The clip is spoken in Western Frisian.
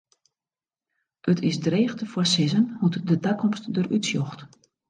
It is dreech te foarsizzen hoe't de takomst der út sjocht.